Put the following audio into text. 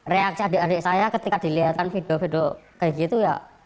reaksi adik adik saya ketika dilihatkan video video kayak gitu ya